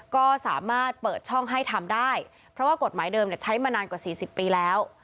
ก็สามารถเปิดช่องให้ทำได้เพราะว่ากฎหมายเดิมใช้มานานกว่า๔๐ปีแล้ว